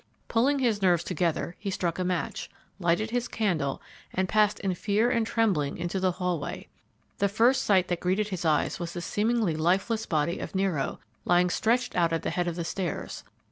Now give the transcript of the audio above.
Pulling his nerves together he struck a match, lighted his candle and passed in fear and trembling into the hallway. The first sight that greeted his eyes was the seemingly lifeless body of Nero lying stretched out at the head of the stairs.